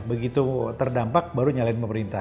begitu terdampak baru nyalain pemerintah